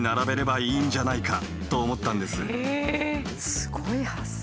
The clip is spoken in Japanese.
すごい発想。